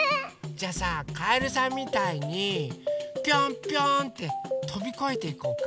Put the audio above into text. じゃあさかえるさんみたいにぴょんぴょんってとびこえていこうか？